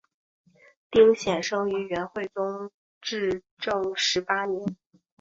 丁显生于元惠宗至正十八年。